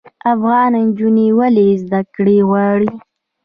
افغان نجونې ولې زده کړې غواړي؟